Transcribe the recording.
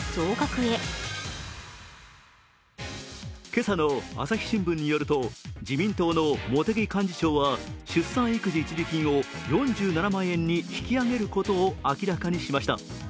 今朝の朝日新聞によると自民党の茂木幹事長は出産育児一時金を４７万円に引き上げることを明らかにしました。